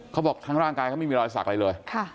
เขาบอกทั้งร่างกายเขาไม่มีรอยสักอะไรเลย